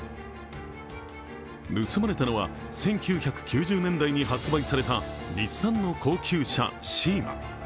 盗まれたのは１９９０年代に発売された日産の高級車、シーマ。